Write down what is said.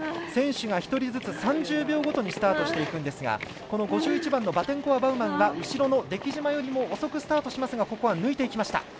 選手が１人ずつ３０秒ごとにスタートしていくんですが５１番のバテンコワバウマンが後ろの出来島よりも遅くスタートしますがここは抜いていきました。